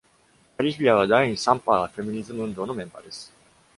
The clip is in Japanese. カリフィアは、第三波フェミニズム運動のメンバーです。